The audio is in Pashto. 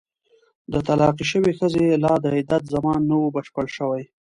د طلاقې شوې ښځې لا د عدت زمان نه وو بشپړ شوی.